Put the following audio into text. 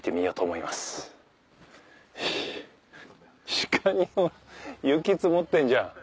鹿に雪積もってんじゃん